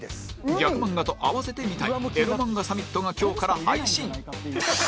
ギャグ漫画と併せて見たいエロ漫画サミットが今日から配信